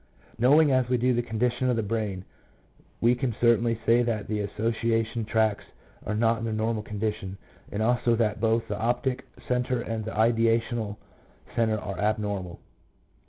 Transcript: Knowing as we do the condition of the brain, we can certainly say that the association tracts are not in their normal condition, and also that both the optic centre and the ideational centre are abnormal.